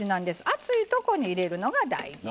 熱いところに入れるのが大事。